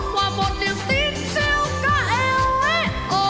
hòa một niềm tin siêu ca eo eo